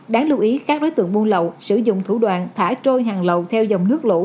đáng lưu ý các đối tượng buôn lậu sử dụng thủ đoạn thả trôi hàng lậu theo dòng nước lũ